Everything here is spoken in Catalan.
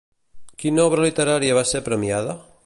Quina obra literària va ser premiada?